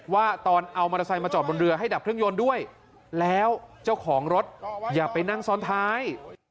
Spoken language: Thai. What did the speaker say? ว่าตอนเอามอเตอร์ไซค์มาจอดบนเรือให้ดับเครื่องยนต์ด้วยแล้วเจ้าของรถอย่าไปนั่งซ้อนท้าย